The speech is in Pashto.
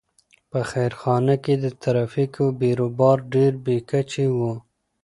په خیرخانه کې د ترافیکو بېروبار ډېر بې کچې و.